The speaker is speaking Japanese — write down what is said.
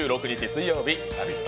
水曜日「ラヴィット！」